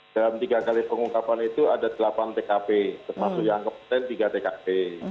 dalam tiga kali pengungkapan itu ada delapan tkp termasuk yang kemudian tiga tkp